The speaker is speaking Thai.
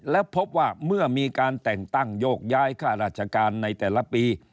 แล้วพบว่าเมื่อมีการแต่งตั้งโยกย้ายค่าราชการในแต่ละปี